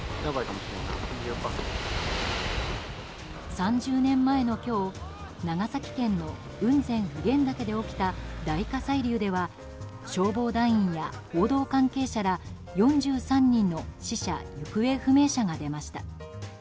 ３０年前の今日長崎県の雲仙・普賢岳で起きた大火砕流では消防団員や報道関係者ら４３人の死者・行方不明者が出ました。